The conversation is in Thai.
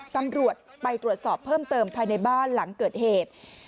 ตำรวจไปตรวจสอบเพิ่มเติมภายในบ้านหลังเกิดเหตุ